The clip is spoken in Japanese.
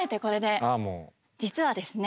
実はですね